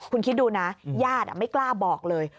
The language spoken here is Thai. คุณคิดดูนะญาติไม่กล้าบอกเลย